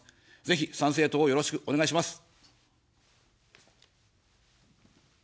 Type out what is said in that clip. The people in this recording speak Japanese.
ぜひ参政党をよろしくお願いします。